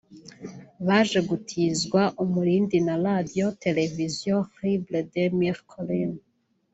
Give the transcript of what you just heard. byaje gutizwa umurindi na Radio Télévision Libre des Mille Collines